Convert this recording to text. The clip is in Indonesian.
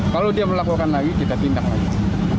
kalau dia melakukan lagi kita tindak lanjut